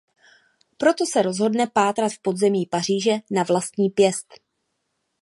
Proto se rozhodne pátrat v podzemí Paříže na vlastní pěst.